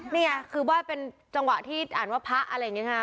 นี่ไงคือว่าเป็นจังหวะที่อ่านว่าพระอะไรอย่างนี้ค่ะ